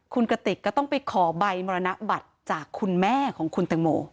คุณกติกก็ต้องไปขอใบมรณบัตรจากคุณแม่ของคุณแตงโม